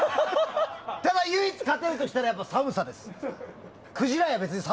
ただ唯一勝てるとしたら寒さです。